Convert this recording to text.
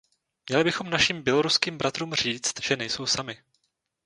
Měli bychom našim běloruským bratrům říct, že nejsou sami.